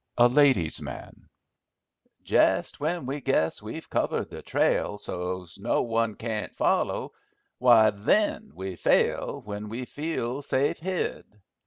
A Ladies Man "Jest w'en we guess we've covered the trail So's no one can't foller, w'y then we fail W'en we feel safe hid.